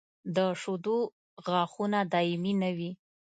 د شېدو غاښونه دایمي نه وي.